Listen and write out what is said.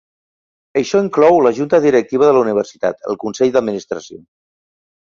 Això inclou la junta directiva de la universitat, el Consell d'administració.